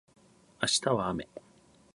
明日は雨